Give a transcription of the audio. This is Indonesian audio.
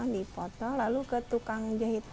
dipotong lalu ke tukang jahit